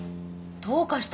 どうかした？